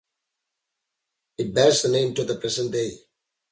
It bears the name to the present day.